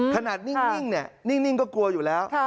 ขนาดเนี่ยนิ่งนิ่งก็กลัวอยู่แล้วใช่